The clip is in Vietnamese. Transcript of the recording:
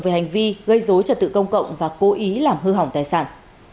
về hành vi gây dối trật tự công cộng và cố ý làm hư hỏng tài sản